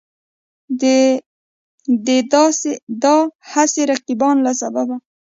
د دا هسې رقیبانو له سببه